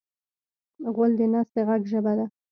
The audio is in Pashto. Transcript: غول د نس د غږ ژبه ده.